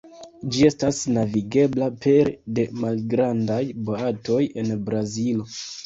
Ĝi estas navigebla pere de malgrandaj boatoj en Brazilo.